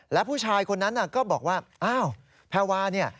และผู้ชายคนนั้นก็บอกว่าอ้าวแพรวาเนี่ย